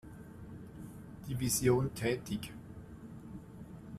Division tätig.